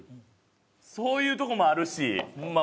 そういうとこもあるしホンマ